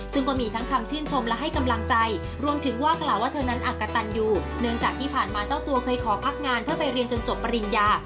ซึ่งก็มีทั้งคำชื่นชมและให้กำลังใจรวมถึงว่ากล่าวว่าเธอนั้นอักกะตันอยู่เนื่องจากที่ผ่านมาเจ้าตัวเคยขอพักงานเพื่อไปเรียนจนจบปริญญา